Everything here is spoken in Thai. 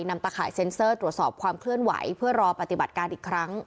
ตะข่ายเซ็นเซอร์ตรวจสอบความเคลื่อนไหวเพื่อรอปฏิบัติการอีกครั้ง